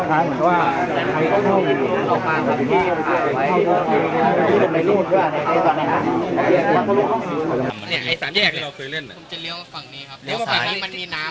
สารแยกคือเรื่องผมจะเลี่ยวฝั่งนี้ครับ